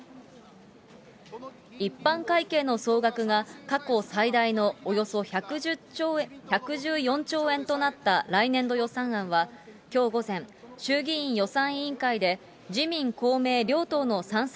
一般会計の総額が、過去最大のおよそ１１４兆円となった来年度予算案は、きょう午前、衆議院予算委員会で、自民、公明両党の賛成